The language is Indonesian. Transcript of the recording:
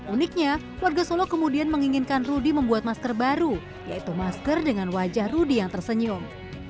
uniknya warga solo kemudian menginginkan rudy membuat masker baru yaitu masker dengan wajah rudy yang tersenyum